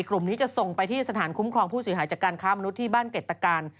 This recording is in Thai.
กลุ่มนี้จะส่งไปที่สถานคุ้มครองผู้เสียหายจากการค้ามนุษย์ที่บ้านเกร็ตการ